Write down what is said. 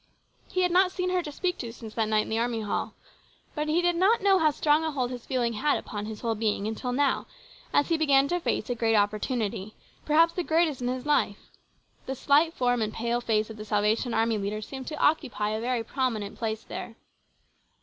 He had not seen her to speak to since that night in the Army Hall. But he did not know how strong a hold his feeling had upon his whole being until now, as he began to face a great opportunity, PLANS GOOD AND BAD. 171 perhaps the greatest in his life ; the slight form and pale face of the Salvation Army leader seemed to occupy a very prominent place there.